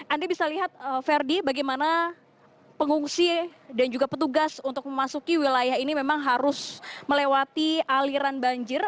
anda bisa lihat ferdi bagaimana pengungsi dan juga petugas untuk memasuki wilayah ini memang harus melewati aliran banjir